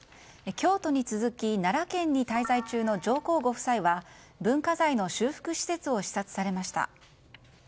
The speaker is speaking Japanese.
京都に続き奈良県に滞在中の上皇ご夫妻は文化財の修復施設を視察されました。